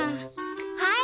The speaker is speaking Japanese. はい！